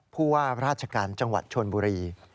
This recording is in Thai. ผู้ว่าราชการจังหวัดชนบุรี